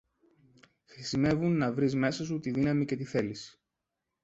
Χρησιμεύουν να βρεις μέσα σου τη δύναμη και τη θέληση